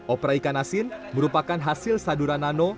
opera ikan asin merupakan hasil sadura nano